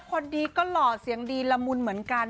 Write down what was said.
คนดีก็หล่อเสียงดีละมุนเหมือนกัน